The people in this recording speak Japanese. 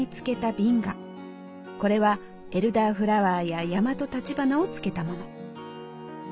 これはエルダーフラワーや大和橘を漬けたもの。